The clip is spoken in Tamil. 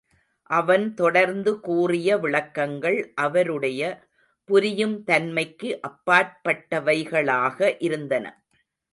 அவன் தொடர்ந்துகூறிய விளக்கங்கள் அவருடைய புரியும் தன்மைக்கு அப்பாற்பட்டவைகளாக இருந்தன.